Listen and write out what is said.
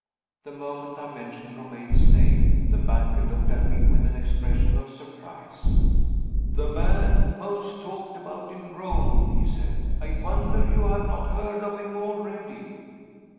The moment I mentioned Romayne's name, the banker looked at me with an expression of surprise. "The man most talked about in Rome," he said; "I wonder you have not heard of him already."